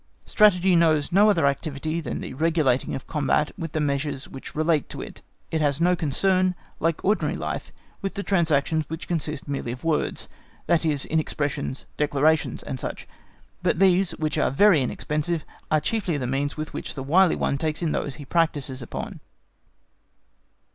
Strategy knows no other activity than the regulating of combat with the measures which relate to it. It has no concern, like ordinary life, with transactions which consist merely of words—that is, in expressions, declarations, &c. But these, which are very inexpensive, are chiefly the means with which the wily one takes in those he practises upon.